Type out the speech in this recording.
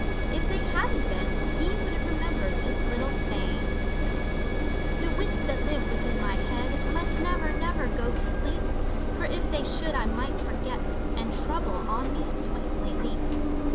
If they hadn't been, he would have remembered this little saying: The wits that live within my head Must never, never go to sleep, For if they should I might forget And Trouble on me swiftly leap.